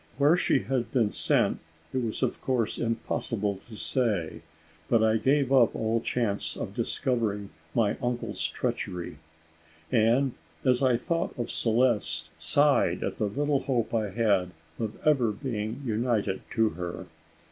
Where she had been sent, it was of course impossible to say; but I gave up all chance of discovering my uncle's treachery; and, as I thought of Celeste, sighed at the little hope I had of ever being united to her.